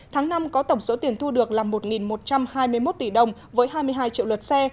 tháng năm có tổng số tiền thu được là một một trăm hai mươi một tỷ đồng với hai mươi hai triệu lượt xe